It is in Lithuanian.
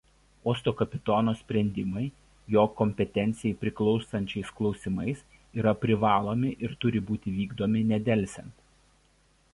Uosto kapitono sprendimai jo kompetencijai priklausančiais klausimais yra privalomi ir turi būti vykdomi nedelsiant.